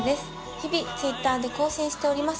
日々Ｔｗｉｔｔｅｒで更新しております